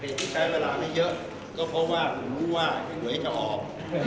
ก็ไม่ใช้เวลาให้เยอะก็เพราะว่าขวัยจะออก